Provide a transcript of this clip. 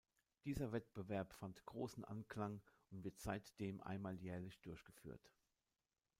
Dieser Wettbewerb fand großen Anklang und wird seitdem einmal jährlich durchgeführt.